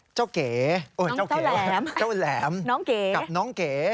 เจ้าแหลมกับน้องเก๋